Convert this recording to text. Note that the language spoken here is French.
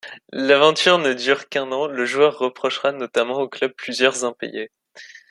L'aventure ne dure qu'un an, le joueur reprochera notamment au club plusieurs impayés.